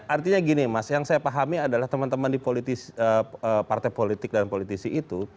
artinya gini mas yang saya pahami adalah teman teman di partai politik dan politisi itu